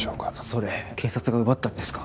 それ警察が奪ったんですか？